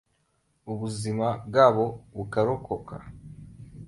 ubuzima bwabo bukarokoka.